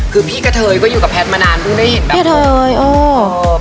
คือพี่กะเทยก็อยู่กับแพทย์มานานเพิ่งได้เห็นแบบนี้